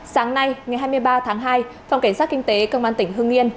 sáng nay ngày hai mươi ba tháng hai phòng cảnh sát kinh tế công an tỉnh hương yên